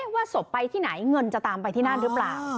ว่าศพไปที่ไหนเงินจะตามไปที่นั่นหรือเปล่า